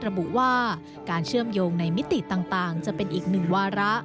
ระบุว่าการเชื่อมโยงในมิติต่างจะเป็นอีกหนึ่งวาระ